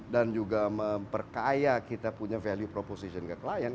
juga memperkaya kita punya value proposition ke klien